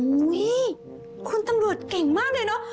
คุณตำรวจเก่งมากเลยเนอะ